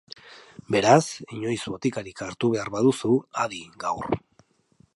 Beraz, inoiz botikarik hartu behar baduzu, adi, gaur.